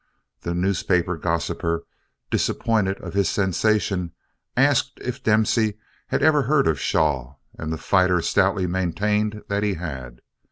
The newspaper gossiper, disappointed of his sensation, asked if Dempsey had ever heard of Shaw and the fighter stoutly maintained that he had.